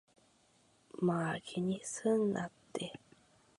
まぁ、気にすんなって